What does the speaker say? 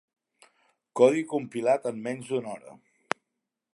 Codi compilat en menys d'una hora.